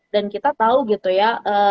dan kita tahu gitu ya